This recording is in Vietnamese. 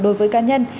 đối với cá nhân